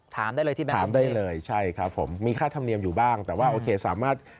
ถามได้เลยที่ไหนถามได้เลยใช่ครับผมมีค่าธรรมเนียมอยู่บ้างแต่ว่าโอเคสามารถ